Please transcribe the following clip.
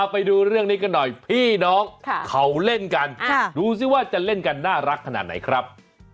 ไปดูเรื่องนี้กันหน่อยพี่น้องเขาเล่นกันดูสิว่าจะเล่นกันน่ารักขนาดไหนครับ